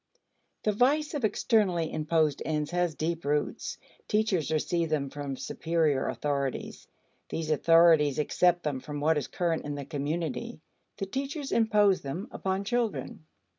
The vice of externally imposed ends has deep roots. Teachers receive them from superior authorities; these authorities accept them from what is current in the community. The teachers impose them upon children.